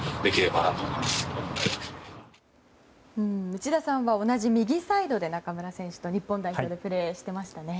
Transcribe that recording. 内田さんは同じ右サイドで中村選手と日本代表でプレーしていましたね。